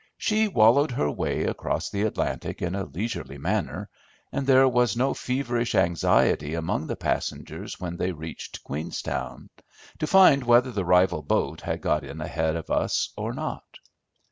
She wallowed her way across the Atlantic in a leisurely manner, and there was no feverish anxiety among the passengers when they reached Queenstown, to find whether the rival boat had got in ahead of us or not.